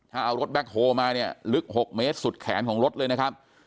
ถ้าเอารถแบ็คโฮมาเนี่ยลึก๖เมตรสุดแขนของรถเลยนะครับ